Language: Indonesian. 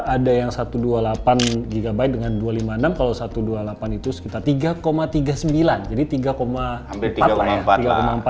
ada yang satu ratus dua puluh delapan gb dengan dua ratus lima puluh enam kalau satu ratus dua puluh delapan itu sekitar tiga tiga puluh sembilan jadi tiga empat lah ya